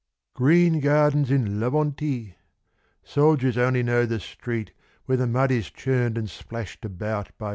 G * REEN gardens in Laventie ! Soldiers only know th Where the mud is churned and splashed about I ".